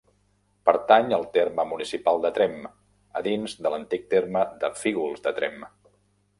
Pertany al terme municipal de Tremp, a dins de l'antic terme de Fígols de Tremp.